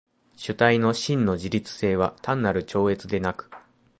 主体の真の自律性は単なる超越でなく、